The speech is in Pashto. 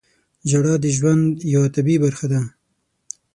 • ژړا د ژوند یوه طبیعي برخه ده.